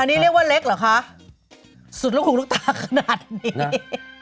อันนี้เรียกว่าเล็กเหรอคะสุดลูกหูลูกตาขนาดนี้